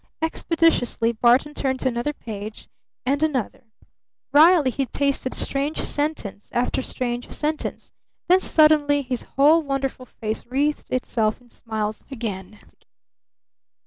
Expeditiously Barton turned to another page, and another, and another. Wryly he tasted strange sentence after strange sentence. Then suddenly his whole wonderful face wreathed itself in smiles again.